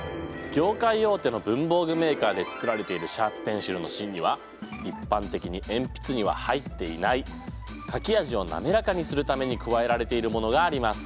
業界大手の文房具メーカーで作られているシャープペンシルの芯には一般的に鉛筆には入っていない書き味をなめらかにするために加えられているものがあります。